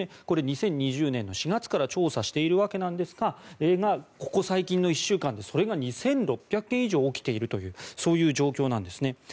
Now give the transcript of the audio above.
これ、２０２０年の４月から調査しているわけなんですがここ最近の１週間でそれが２６００件以上起きているという状況なんです。